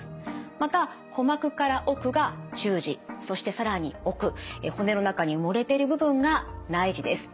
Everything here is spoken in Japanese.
また鼓膜から奥が中耳そして更に奥骨の中に埋もれている部分が内耳です。